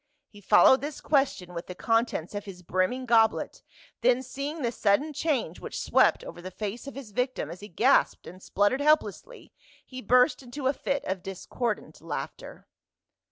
he followed this question with the contents of his brimming goblet, then seeing the sudden change which swept over the face of his victim as he gasped and spluttered help lessly he burst into a fit of discordant laughter.